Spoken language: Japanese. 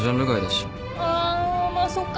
あまっそっか。